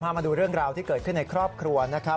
มาดูเรื่องราวที่เกิดขึ้นในครอบครัวนะครับ